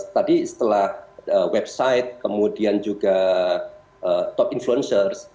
tadi setelah website kemudian juga top influencer